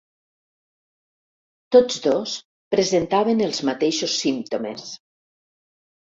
Tots dos presentaven els mateixos símptomes.